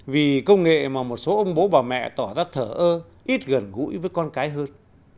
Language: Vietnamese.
vì công nghệ mà một số ông bố bà mẹ tỏ ra thở ơ ít gần gũi với con cái hơn